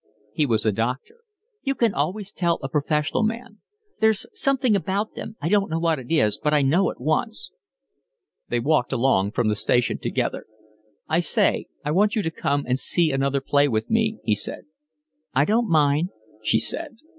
"He was a doctor." "You can always tell a professional man. There's something about them, I don't know what it is, but I know at once." They walked along from the station together. "I say, I want you to come and see another play with me," he said. "I don't mind," she said.